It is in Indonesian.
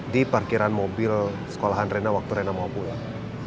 di parkiran mobil sekolahan rena waktu rena mau pulang